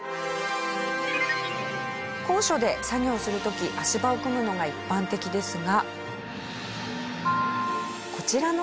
高所で作業をする時足場を組むのが一般的ですが。